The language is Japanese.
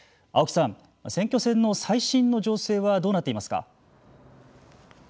青木さん、選挙戦の最新の情勢はどうなっていますか。